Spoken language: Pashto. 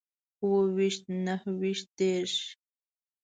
اوويشتم، نهويشتم، ديرشم